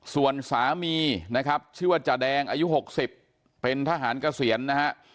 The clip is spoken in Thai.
ส่วนสามีนะครับชื่อว่าจาแดงอายุ๖๐เป็นทหารเกษียณนะฮะ